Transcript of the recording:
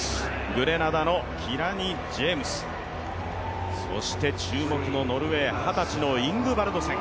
グレナダのキラニ・ジェームス、そして注目のノルウェー、二十歳のイングバルドセン。